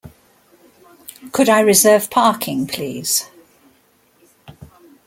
Could I reserve parking, please?